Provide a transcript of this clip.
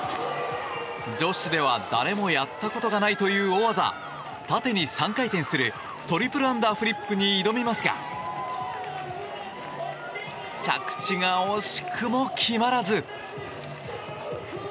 女子では誰もやったことがないという大技縦に３回転するトリプルアンダーフリップに挑みますが着地が惜しくも決まらず。